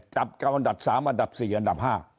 กับอันดับ๓อันดับ๔อันดับ๕